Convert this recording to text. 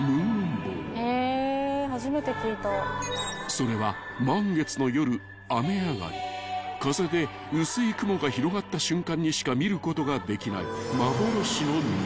［それは満月の夜雨上がり風で薄い雲が広がった瞬間にしか見ることができない］